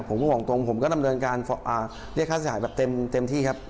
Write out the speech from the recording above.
ผมก็ห่วงตรงผมก็ทำเรื่องการอ่าเรียกค่าเสียหายแบบเต็มเต็มที่ครับ